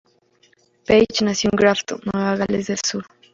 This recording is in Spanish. Page nació en Grafton, Nueva Gales del Sur.